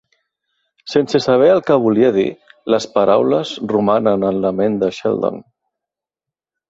Sense saber el que volia dir, les paraules romanen en la ment de Sheldon.